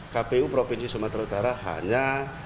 kpu provinsi sumatera utara hanya